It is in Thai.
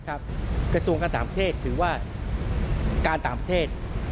กระทรวงการต่างประเทศถือว่าการต่างประเทศ